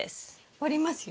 折りますよ。